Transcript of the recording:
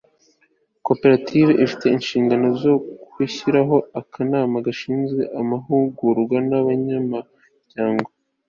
koperative ifite inshingano zo gushyiraho akanama gashinzwe amahugurwa y'abanyamuryango